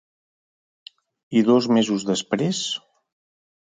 I dos mesos després?